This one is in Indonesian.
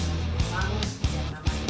untuk memiliki kesempatan